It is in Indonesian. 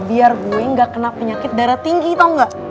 biar gue gak kena penyakit darah tinggi tau gak